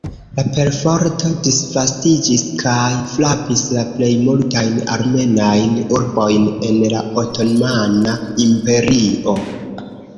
La perforto disvastiĝis kaj frapis la plej multajn armenajn urbojn en la Otomana Imperio.